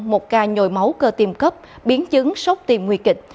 một ca nhồi máu cơ tiêm cấp biến chứng sốc tiêm nguy kịch